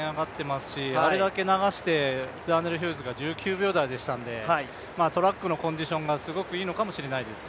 あれだけ流してザーネル・ヒューズが１９秒台でしたのでトラックのコンディションがすごくいいのかもしれないです。